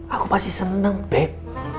aku pasti seneng beb